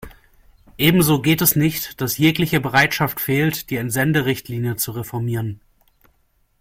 Ebenso geht es nicht, dass jegliche Bereitschaft fehlt, die Entsenderichtlinie zu reformieren.